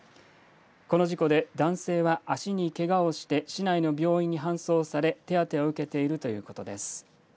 この事故で男性は足にけがをして市内の病院に搬送され手当てを受けているということです。